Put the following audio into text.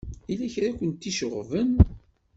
Yella kra i kent-iceɣben?